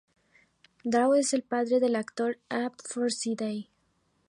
Drew es padre del actor Abe Forsythe.